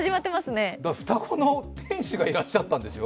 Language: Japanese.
双子の店主がいらっしゃったんですよ。